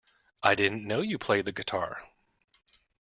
I didn't know you played the guitar!